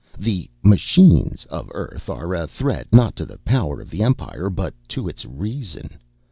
The "Machines" of Earth are a threat not to the power of the Empire but to its reason.